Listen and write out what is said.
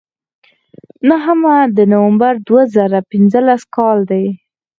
نهمه د نومبر دوه زره پینځلس کال دی.